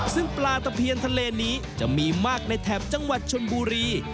ซึ่งปลาตะเพียนทะเลนี้จะมีมากในแถบจังหวัดชนบุรี